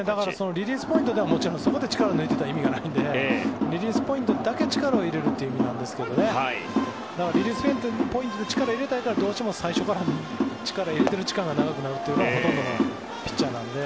リリースポイントで力を抜いていたら意味がないのでリリースポイントだけ力を入れるということですがリリースポイントで力を入れたいからどうしても最初から力を入れている時間が長くなるというのがほとんどのピッチャーなので。